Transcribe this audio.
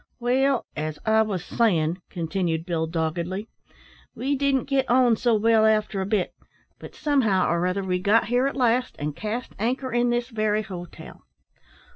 "Well, as I wos sayin'," continued Bill, doggedly, "we didn't git on so well after a bit; but somehow or other we got here at last, and cast anchor in this very hotel.